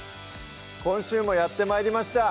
今週もやって参りました